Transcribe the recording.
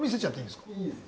いいです。